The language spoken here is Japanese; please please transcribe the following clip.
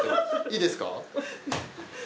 いいですか？